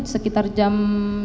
sekitar jam dua puluh